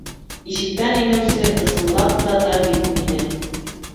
Ишектән инеүсе ысынлап та Давид ине.